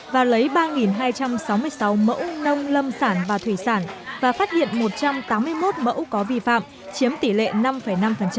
và lấy ba hai trăm sáu mươi sáu mẫu nông lâm sản và thủy sản và phát hiện một trăm tám mươi một mẫu có vi phạm chiếm tỷ lệ năm năm